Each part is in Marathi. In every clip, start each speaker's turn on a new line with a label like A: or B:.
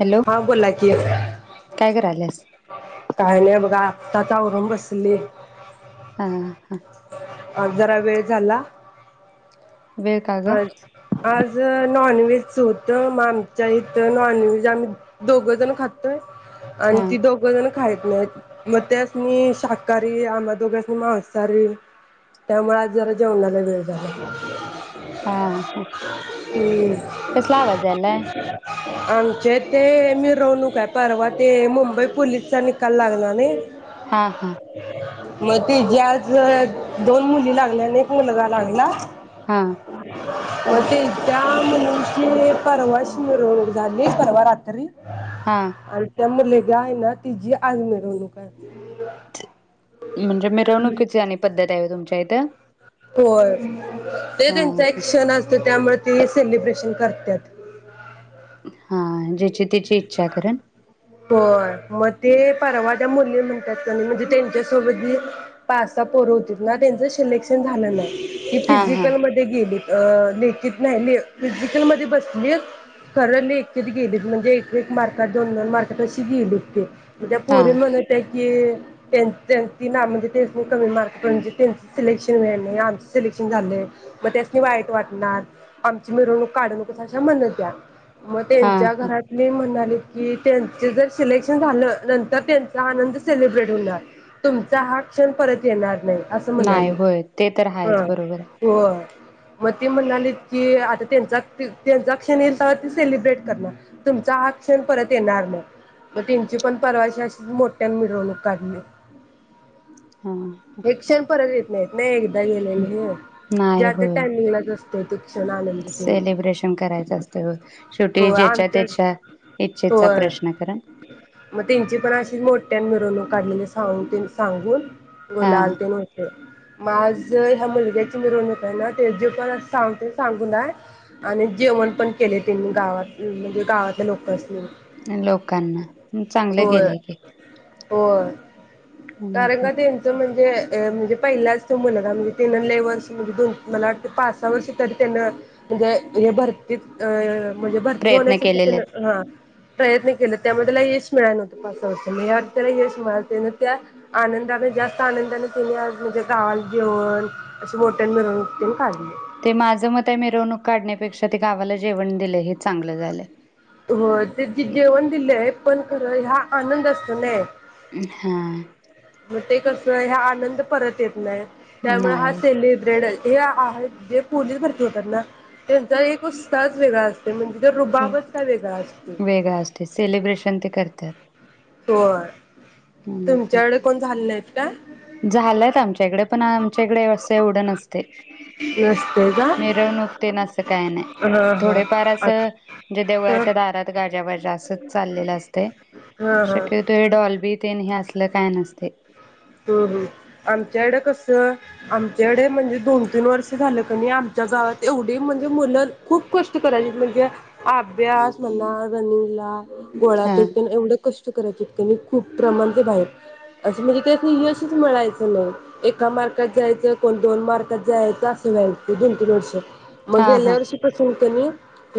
A: हॅलो
B: हो बोला कि
A: काय करायल्यास
B: काय नाही बघा आता आवरून बसले.
A: हा हा!
B: जरा वेळ झाला?
A: वेळ का ग
B: अ आज नॉनवेज सोत म आमच्या इथं नॉनव्हेज, आम्ही दोघं जणं खातोय. आणि
A: हा
B: ती दोघ जण खाएत नाहीत म त्यासणी शाकाहारी, आम्हा दोघांसनी मांसाहारी, त्यामुळे आज जरा जेवणाला वेळ झाला.
A: हा ह
B: हम्म
A: कसला आवाज यालाय?
B: आमचे ते मिरवणूकआहे, परवा ते मुंबई पोलीसचा निकाल लागला नाही.
A: हा हा!
B: म ती जे आज दोन मुली लागल्या, आणि एक मुलगा लागला.
A: हां!
B: [unintelligible] लागलीच परवा रात्री
A: हा
B: अन त्या मुली काय ना तिजी आज मिरवणूक आहे.
A: म्हणजे मिरवणुकीची आणि पद्धत आहे व्हय तुमच्या इथं.
B: होय. ते
A: हा
B: त्यांच
A: हा
B: ऍक्शन असतेत. त्यामुळे ते सेलिब्रेशन करत्यात.
A: हां जे चित
B: होय मत. ते परवात्या मुली म्हणत्यात का नाही, म्हणजे त्यांच्यासोबत जे पाचसा पोर होतीत, ना त्यांचं सिलेक्शन झालं नाही. ही
A: हा हा
B: फिजिकल मध्ये गेली. अ लेखित नाही मी फिजिकल मध्ये बसलीत, खरं लेखीत गेलीत म्हणजे एक मारकात दोन, दोन मारकात त तशी गेलीत ते. उद्या
A: हा
B: पोरी म्हणत्या कि त्यां त्यां तिना म्हणजे तेच मग कमी मार्क म्हणजे त्यांच सिलेक्शन नाही आमच सिलेक्शन झालंय मग त्यासनी वाईट वाटणार आमची मिरवणूक काढू नकोस अशा म्हणत होत्या म
A: हा
B: त्यांच्या
A: हा
B: घरात म्हणाले की त्यांच जर सिलेक्शन झाल नंतर त्यांचा आनंद सेलिब्रेट होणार तुमचा हा क्षण परत येणार नाही असं
A: नाही
B: म्हणाली
A: होय ते तर
B: ह
A: हायेच बरोबर आहे
B: होय मग ते म्हणालेत की आता त्यांचा त्यांचा क्षण येईल तवा ते सेलिब्रेट करणार तुमचा हा क्षण परत येणार नाही मग त्येंची पण परवाश अशीच मोठ्यान मिरवणूक काढलीय
A: हा
B: हे क्षण परत येत नाही [unintelligible] [unintelligible] ज्या त्या टायमिंगला असतोय [unintelligible]
A: सेलीब्रेशन करायच असतय वो शेवटी
B: होय
A: ज्याच्या
B: आमच्या
A: त्याच्या इच्छेचा
B: होय
A: प्रश्न कारण
B: मग त्यांची पण अशीच मोठ्यान मिरवणूक काढलेले सांग ते सांगून
A: हा
B: गुलाल तेन होते माझ ह्या मुलग्याची मिरवणूक आहे ना ते जे पण सांगते सांगून आहे आणि जेवण पण केले त्यांनी गावात म्हणजे गावात [unintelligible] लोकासनी
A: लोकांना चांगल केलय ते
B: [unintelligible] [unintelligible] ते अ म्हणजे पहिलाच त्यो मुलाला म्हणजे तेनं लेवर्ष म्हणजे दोन मला वाटते पासा वर्ष तरी त्यनं म्हणजे हे भरतीत अ म्हणजे भरती
A: प्रयत्न
B: होण्यासाठी
A: केलेले आहेत.
B: तेनं हा प्रयत्न केलत त्यामुळ त्याला यश मिळाय नवतं पाच-सा वर्ष म यात त्याला यश मिळा त्यानं त्या आनंदान जास्त आनंदान त्यनी आज म्हणजे गावाला जेवन, असं मोठ्यानं मिरवणूक त्यांनी काढली
A: ते माझं मत हाय मिरवणूक काढण्यापेक्षा, ते गावाला जेवण दिलं हे चांगलं झालं
B: होय ते जे जेवण दिलय पण खरं ह्या आनंदअसतो ने
A: हा
B: मग ते कसं हा आनंद परत येत नायी त्यामुळे
A: नाही
B: हा
A: होय.
B: सेलीब्रेड हे आहेत जे पूलिस भरती होतात ना तेज एक उत्साहच वेगळा अस
A: हो वेगळा असते सेलिब्रेशन ते करत्यात
B: होय
A: हम्म हम्
B: तुमच्याकडे कोण झाले नाहीत का
A: झाल्यात आमच्याइकडं पण आमच्या इकडे असं एवढं नसते
B: नसते का
A: मिरवनुक तेन असं काय नाय,
B: हा हा
A: थोडेफार असं
B: अच्छा
A: म्हणजे देवळाच्या दारात गाज्याबाज्या असं चाललेलं असतंय
B: हा हा
A: शक्यतो डॉलबी तेन असलं काय नसतय.
B: हम्म हम्म आमच्याकडे कसं आमच्याकडे म्हणजे दोन तीन वर्ष झालं कने आमच्या गावात एवढी म्हणजे मुलं खूप कष्ट करायची म्हणजे अभ्यास म्हणा, रनिंगला गोळा
A: हा
B: फेक तेन एवढं कष् करायचेत कने, खूप प्रमाण खूप आहे असं म्हणजे ते ते यशच मिळायचं नाही एका मार्कात जायचं, कोण दोन मार्कात जायचं असं व्हायचं दोन-तीन वर्ष मग
A: हा हा
B: गेल्या वर्षीपसून कने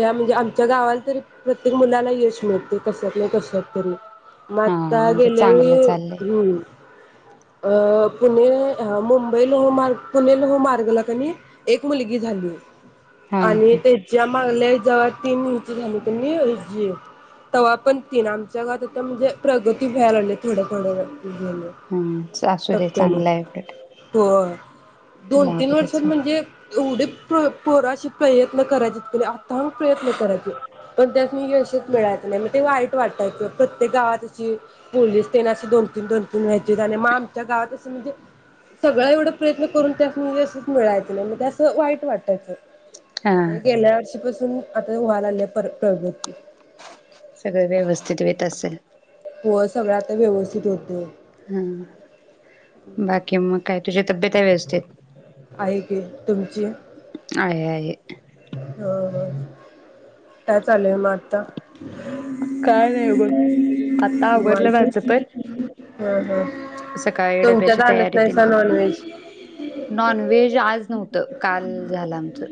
B: या म्हणजे आमच्या गावाला तरी प्रत्येक मुलाला यश मिळतय कशात नाही कशात तरी म
A: हा
B: आत्ता
A: म्हणजे
B: गेल्या वेळी
A: चांगलं चाललंय
B: हम्म अ पुणे मुंबई लोह मार्ग पुणे लोह मार्ग ला कनी एक मुलगी झाली.
A: हा हा.
B: आणि तेच्या मागल्या जेव्हा तीन इंची झाली कनी हिजी तव्हा पण तीनं आमच्या गावात उत्तम हणजे प्रगती व्हायला लागल्या केवढ्या केवढ्या वेळ उगवले.
A: हा असू दे चांगलाय उलट
B: होय दोन-तीन
A: लागूद्याच
B: वर्षात म्हणजे एवढी पो पोरं अशी प्रयत्न करायचीत कने आत्ता प्रयत्न करायची पण त्यासनी यशच मिळायचं नाही मग ते वाईट वाटतंय प्रत्येक गावात अशी पोलीस तेन अशी दोन-तीन दोन-तीन व्हाय म आमच्या गावातच असं म्हणजे सगळं एवढा प्रयत्न करून त्यासनी यशचं मिळायचं नाही मग ते असं वाईट वाटायचं
A: हा
B: म गेल्या वर्षी पासून आता व्हायलाया पर प्रगती.
A: सगळें व्यवस्थित येत असेल.
B: हो सगळ आता व्यवस्थित होतय.
A: हम्म बाकी म काय तुझे तब्यत हाय व्यवस्थेत,
B: आहे की तुमची?
A: आहे आहे.
B: काय चालू आहे मग आता?
A: काय नाही बघ आता आवरला माझं पण
B: निवांत? [unintelligible]
A: सकाळी
B: तुमच्यात आणत नाहीसा नॉन व्हेज.
A: नॉन वेज आज नव्हत काल झालं आमच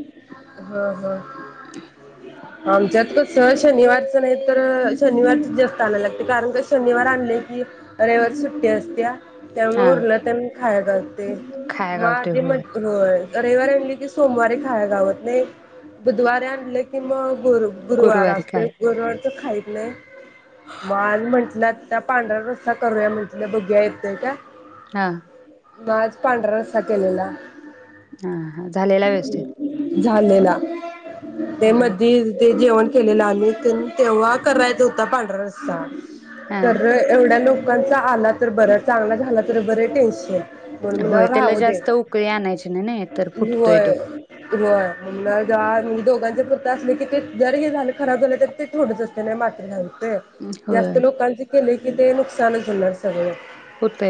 B: हा हा आमच्यात कस शनिवारच नाही तर शनिवारच जास्त आणायला लागते कारण का शनिवार आणले की रविवारी सुट्टी असत्या. त्यामुळे
A: हा
B: उरलं त्यां [unintelligible] ते
A: खाया गावतय
B: माझे
A: होय
B: म्ह होय. रविवारी आणली की, सोमवारी खाया गावत नाही बुधवारे आणले की की मग, गुरु गुरुवार
A: गुरुवारी काय
B: असतयच गुर तर खायत नाही. [unintelligible] म्हंटला त्या पांढऱ्या रस्सा करूया म्हटलं बघुया येतंय का?
A: हा.
B: म आज पांढरा रस्सा केलेला.
A: हा हा झालेला व्यवस्थित
B: झालेला. [unintelligible] ते
A: ह
B: मधी न ते जेवण ते केलेला आम्ही तेन तेव्हा करायच होता पांढरा रस्सा.
A: हा
B: तर एवढ्या लो लोकांचा आला तर बर, चांगला झाला तर बरे, टेन्शन म्हणून
A: होय
B: म्हणाला
A: त्याला
B: राहू दे
A: जास्त उकळी आणायची नाही. नाही तर, फुटतोय तो.
B: होय होय [unintelligible] आज दोघांच [inaudible] असले की ते जर हे झाल खराब झाले तर ते थोडच असते नाय [unintelligible] [unintelligible]
A: होय
B: जास्त लोकांचे [unintelligible] की ते नुकसानच होणार सगळ.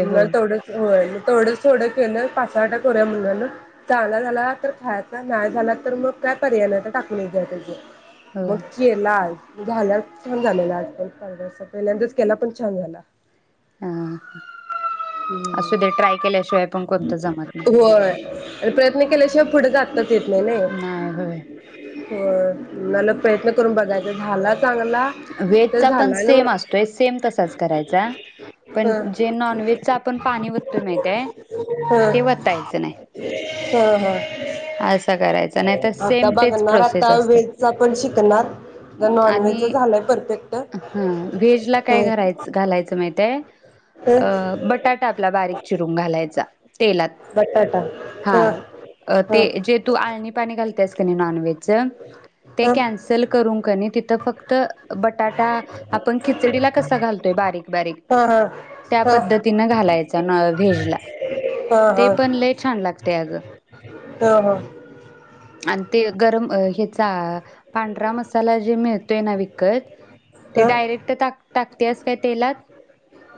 B: [unintelligible] म
A: होय
B: तेवढंच हो थोडं थोडं केलं पासाटा थोऱ्या मुलान चाला झाला तर खायाचां. नाही झाला तर मग काय पर्याय नाही तर टाक [unintelligible] [unintelligible]
A: होय
B: मग केला आज. झाल्या छान झालेला आज च [unintelligible] पहिल्यांदाच केला पण छान झाला.
A: हा हा. असू दे
B: हम्म
A: ट्राय केल्याशिवाय पण कोणतं जमत नाही.
B: होय आणि प्रयत्न केल्याशिवाय पुढे जात
A: नाही, होय.
B: होय, मला प्रयत्न करून बघायचा. झालात
A: वेज चा पण सेम असतोय, सेम तसाच करायचा. पण
B: ह
A: जे नॉनव्हेज आपण पाणी वतोय माहतय
B: ह
A: ते वतायचं नाही.
B: ह हां.
A: असं करायचं नाही तर
B: [inaudible] आता
A: सेम तेच
B: बघणार
A: प्रोसेस
B: आता
A: असते
B: व्हेज चा पण शिकणार. तर
A: आणि
B: नॉनव्हेजच झालंय परफेक्ट
A: ह व्हेज ला
B: ह
A: काय घरायच घालायचं माहित्ये
B: ह
A: अ बटाटा आपला बारीक चिरून घालायचा तेलात
B: बटाटा ह
A: हा ते
B: ह
A: जे तू अळणी पाणी घालतेस की नाय नॉनव्हेज ते
B: ह ह
A: कॅन्सल करून कीनही थ फक्त बटाटा आपण खिचडीला कसा घालतोय बारीक बारीक
B: ह
A: त्या
B: ह
A: पद्धतीन घालायचा न व्हेजला
B: ह
A: ते पण लै छान लागतय अग
B: ह हो
A: आणि ते गरम ह्याचा पांढरा मसाला जे मिळतोय ना विकत ते
B: ह
A: डायरेक्ट टाक त्याच त्या तेलात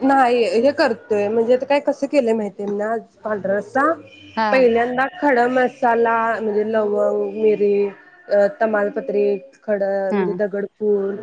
B: नाही हे करतोय म्हणजे ते काय कस केले माहिती आज पांढरा रस्सा कां
A: हा
B: पहिल्यांदा? [unintelligible] खडं मसाला म्हणजे लवंग मिरी अ तमालपत्री खड
A: हा
B: म्हणजे दगडफूल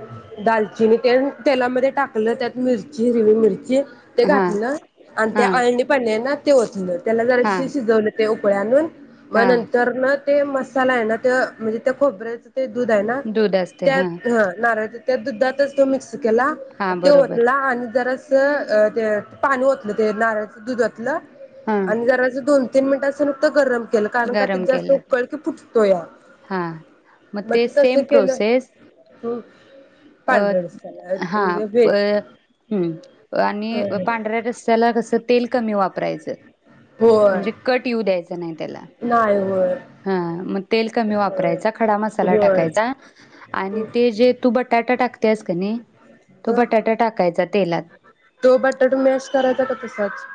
B: दालचिनी तेन तेलामध्ये टाकलं त्यात मिरची हिरवीमिरची ते
A: हा
B: घातली ना आणि ते
A: हा
B: अळणी पाणी हाय ना ते ओतलं त्याला जरा
A: हा
B: शि शिजवलं ते उकळ्या आणून मग
A: हा
B: नंतर ना ते मसाला आहे ना ते म्हणजे त्या खोबऱ्या ते दूध आहे ना
A: दूध असते हा
B: त्यात नारळ त्या दुधातच तो मिक्स त्याला
A: हा
B: त्यो
A: बरोबर
B: ओतला जरासं ते पाणी ओतलं ते नारळाचं दूधातंल
A: हा
B: आणि जराच दोन तीन मिनटांचं नुकत गरम केलं कारण का ते
A: गरम
B: जास्त
A: केला
B: उकळकी फुटतोया या
A: हा
B: मग ते तस केलं हम
A: अ
B: पांढऱ्या रस्याला म्हणजे व्हेज
A: हम आणि पांढऱ्या रस्याला कस तेल कमी वापरायच
B: होय
A: म्हणजे कट येऊ द्यायच नाही त्याला
B: नाही होय
A: हा मग तेल कमी वापरायचा खडा मसाला
B: होय
A: टाकायचा आणि
B: होय.
A: ते जे बट बटाटा टाकतेस का नाही तो बटाटा टाकायचा तेलात
B: तो बटाटा मॅश करायचा का तसाच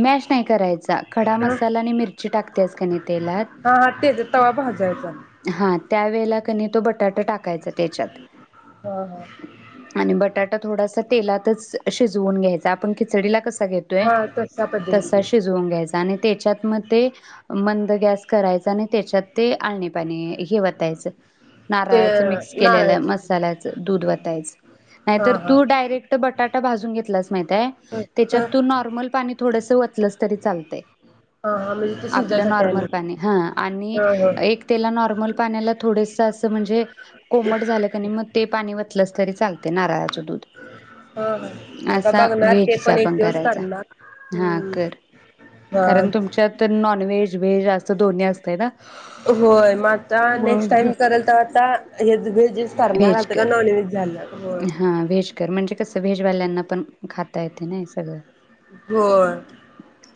A: मॅश नाही करायचा खडा
B: हा
A: मसाला आणि मिरची टाकतेस की नाही तेलात
B: हा तेच [unintelligible]
A: हा त्या वेळेला कनी तो बटाटा टाक. याचा त्याच्यात
B: हा हा
A: आणि बटाटा थोडासा तेलातच शिजवून घ्यायच आपण खिचडीला कस घेतोय
B: हा तसा
A: तसा
B: पद्धतीने
A: शिजवून घ्यायचा आणि त्याच्यात म ते मंद गॅस करायचा आणि त्याच्यात ते आण पाणी हे वतायचं
B: ते
A: नारळाच मिक्स केलेलं
B: नारळाच
A: मसाल्याचं दूध वतायच नाही तर
B: हा हा
A: तु डायरेक्ट बटाटा भाजुन घेतलास माहित आहे
B: ह
A: त्याच्यात
B: ह
A: तू नॉर्मल पाणी थोडंसं वत लस तरी चालतय.
B: हा हा म्हणजे ते
A: आपलं
B: शिजायसाठी आणि
A: नॉर्मल पाणी हं आणि
B: ह ह
A: एक त्याला नॉर्मल पाण्याला थोडस असं म्हणजे कोमट झालं क नाही मग ते पाणी वतलंस तरी चालतय नारळाचं दूध
B: ह ह आता
A: असा
B: बघणार ते
A: व्हेजचा
B: एक
A: पण
B: दिवस
A: करायचा
B: करणार
A: हा
B: हम्म
A: कर
B: हा
A: कारण तुमच्या तर नॉनव्हेज व्हेज अस दोन्ही असतंय ना.
B: होय मग आता नेक्स्ट
A: मग
B: टाईम करल तर आता हेजं व्हेज करणार
A: व्हेज
B: आता का
A: कर
B: नॉनव्हेज झालं. होय
A: हा व्हेज म्हणजे कसं व्हेजवाल्यांना पण खाता येते ना सगळं.
B: होय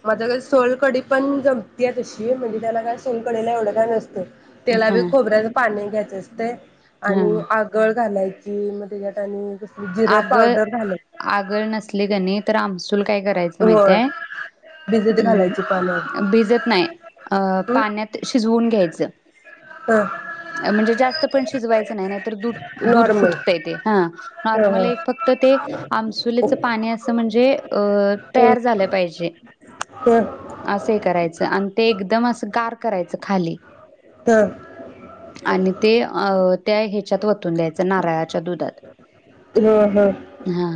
B: माझ कसं सोलकडी पण जमतीय तशी म्हणजे त्याला काय सोलकडीला एवढं काय नसतं. तेला बी
A: हा
B: खोबऱ्याच पाणी द्या. दिसतय.
A: हा
B: आणि आगळ घालायचं मग तेच्यात आणि जिरं
A: आगळ
B: पावडर घालायची
A: आगळ नसले कनाई तर आमसूल आमसूल काय करायचं माहिती
B: होय
A: हाय,
B: भिजत घालायची पाण्यात
A: भिजत नाही अ
B: हं
A: पाण्यात शिजवून घ्यायचं.
B: ह
A: म्हणजे जास्त पण शिजवायचं नाही, नाही तर दूध दूध
B: नॉर्मल
A: फुटतय ते हा
B: ह ह
A: नॉर्मल फक्त ते आमसुलीच पाणी अस म्हणजे
B: ह
A: तयार झालं पाहिजे,
B: ह
A: असे करायच आणि ते एकदम अस गार करायच खाली
B: ह
A: आणि ते अ त्या ह्याच्यात वतू ओतून द्यायचं. नारळाच्या दुधात हा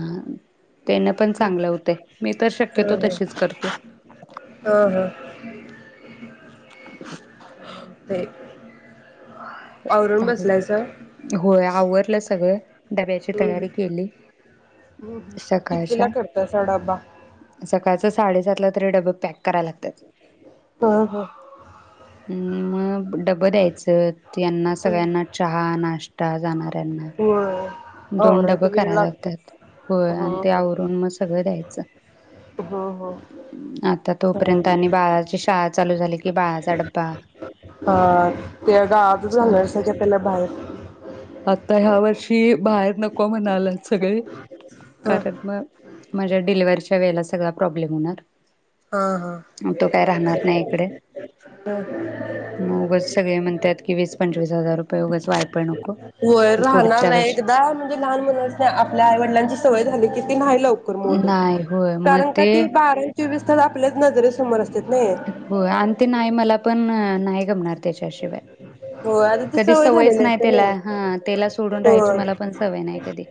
A: त्यानं पण चांगलं होतंय मी तर शक्यतो
B: हम
A: तशीच करते
B: हा हा हा
A: [inaudible]
B: ते [unintelligible] आवरून
A: चालेल
B: बसलायसा
A: होय आवरलं सगळं डब्याची तयारी केली
B: हम् कितीला
A: सकाळच्या
B: करतायसा डबा
A: सकाळचं साडेसातला तरी डबं पॅक करायला लागतात
B: ह ह
A: हम्म मग डबं द्यायचं यांना सगळ्यांना चहा नाश्ता जाणार त्यांना
B: होय
A: दोन डब
B: आवरायच वेळ
A: कराय लागत्यात
B: लागतोच
A: हो आणि ते आवरून मग सगळं द्यायचं
B: हो हो
A: आता तोपर्यंत
B: चालतंय
A: आणि बाळाची शाळा चालू झाली कि बाळाचा डब्बा
B: [inaudible] हा त्याला गावात घालणार
A: चालूच
B: हातभार का
A: असत
B: त्याला बाहेर
A: आता ह्या वर्षी बाहेर नको म्हणालेत सगळे
B: ह
A: कारण मग माझ्या डिलेवारीच्या वेळेला सगळा प्रॉब्लेम
B: हा हा
A: होणार तो काय राहणार नाही इकडे मग उगच सगळे म्हणतात की वीस पंचवीस हजार रुपये उगच वायफळ
B: वय
A: नको
B: राहणार
A: पुढच्या
B: नाही
A: वर्षी
B: एकदा म्हणजे लहान मुलांच आपल्या आईवडिलांची सवय झाली की नाही लवकर
A: नाही
B: मोडत
A: होय मग
B: कारण का
A: ते
B: बा [unintelligible] वीस तास आपल्याच नजरे समोर असत्यात
A: हो आणि ते नाही मला पण नाही गमनार त्याच्या शीवाय
B: हो आता ती
A: कधी
B: सवय
A: सवयच
B: झालेली
A: नाही
B: असते ना
A: त्याला हा त्याला सोडून राहायची
B: होय
A: मला पण सवय नाही. कधी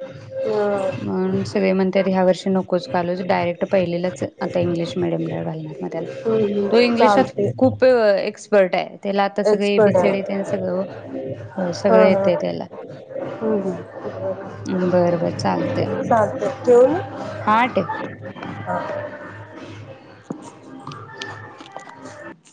B: ह
A: म्हणून सगळे म्हणतात, ह्या वर्षी नकोच घालूच डायरेक्ट पहिलीलाच आ इंग्लिश मिीडियम ला घालणार मग त्याला तो
B: हम्
A: इंग्लिशात
B: चालते
A: खूप एक्सपर्ट आहे. त्याला आता सगळे A A B
B: expert
A: C
B: आहे
A: डी तेन सगळं वो
B: हा [inaudible] हा् चालतय
A: बरं बरं चालतंय
B: [inaudible] ठेवू
A: हा ठेव.
B: मग [inaudible] [inaudible]
A: [inaudible]
B: [inaudible]